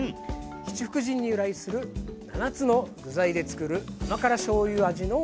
七福神に由来する７つの具材でつくる甘辛しょうゆ味のお漬物です。